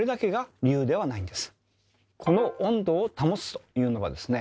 この「温度を保つ」というのはですね